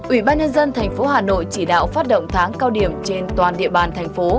ủy ban nhân dân thành phố hà nội chỉ đạo phát động tháng cao điểm trên toàn địa bàn thành phố